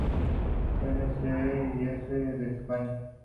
N, C, E y S de España.